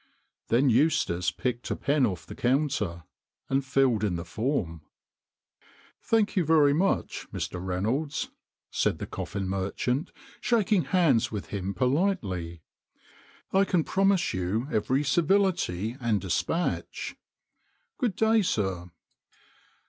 Then Eustace picked a pen off the counter and filled in the form. " Thank you very much, Mr. Reynolds," said the coffin merchant, shaking hands with him politely. " I can promise you every civility and despatch. Good day, sir."